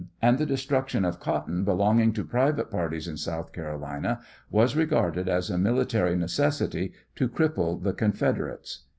And the destruction of cotton belonging to pri vate parties in South Carolina was regarded as a mili tary necessity to cripple the Confederates